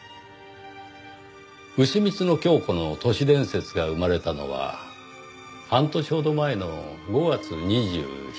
うしみつのキョウコの都市伝説が生まれたのは半年ほど前の５月２７日です。